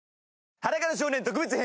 『裸の少年』特別編。